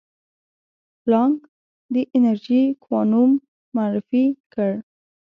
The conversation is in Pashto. پلانک د انرژي کوانوم معرفي کړ.